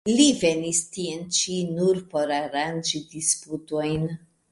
Li venis tien ĉi nur por aranĝi disputojn.